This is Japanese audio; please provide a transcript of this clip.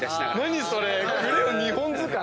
何それ⁉クレヨン２本使い⁉